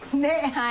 はい。